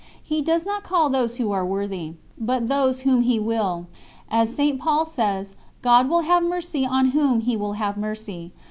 He does not call those who are worthy, but those whom He will. As St. Paul says: "God will have mercy on whom He will have mercy.